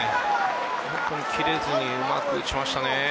本当に切れずにうまく打ちましたね。